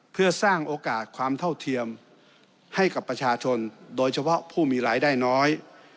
เพื่อสร้างโอกาสความเท่าเทียมให้กับประชาชนโดยเฉพาะผู้มีรายได้น้อย